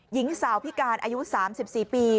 หญิงสาวพิการอายุ๓๔ปี